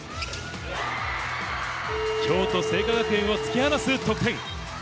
京都精華学園を突き放す得点。